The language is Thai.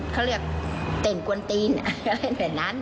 เขาเลือกเต้นกวนตีนเขาเล่นแบบนั้น